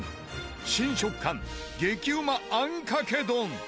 新食感激うまあんかけ丼。